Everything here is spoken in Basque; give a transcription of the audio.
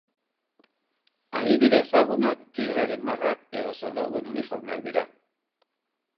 Adibide ezagunak, tigrearen marrak edo soldaduen uniformeak dira.